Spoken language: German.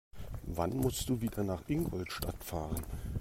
Wann musst du wieder nach Ingolstadt fahren?